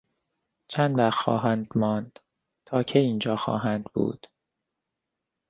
چند وقت خواهند ماند؟ تا کی اینجا خواهند بود؟